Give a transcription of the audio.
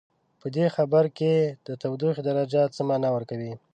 په دې خبر کې د تودوخې درجه څه معنا ورکوي؟